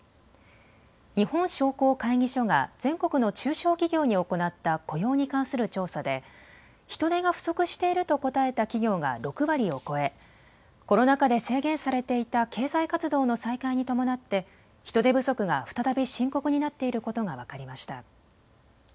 日本商工会議所が全国の中小企業に行った雇用に関する調査で、人手が不足していると答えた企業が６割を超えコロナ禍で制限されていた経済活動の再開に伴って人手不足が再び深刻になっていることが分かりました。